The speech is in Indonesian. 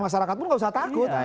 masyarakat pun nggak usah takut